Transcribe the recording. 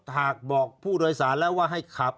หากบอกผู้โดยสารแล้วว่าให้ขับ